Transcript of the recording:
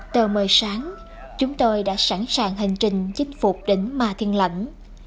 tờ mờ sáng chúng tôi đã sẵn sàng hành trình chinh phục đỉnh ma thiên lãnh